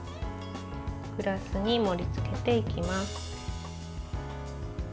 グラスに盛りつけていきます。